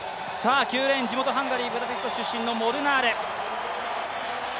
９レーン地元ハンガリー・ブダペスト出身のモルナール。